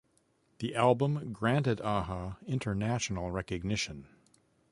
The album granted A-ha international recognition.